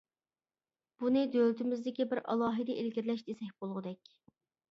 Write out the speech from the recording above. بۇنى دۆلىتىمىزدىكى بىر ئالاھىدە ئىلگىرىلەش دېسەك بولغۇدەك.